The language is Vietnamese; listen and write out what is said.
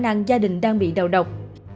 và khả năng gia đình đang bị đầu độc